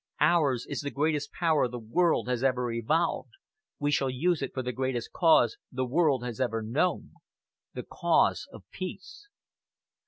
Ours is the greatest power the world has ever evolved. We shall use it for the greatest cause the world has ever known the cause of peace."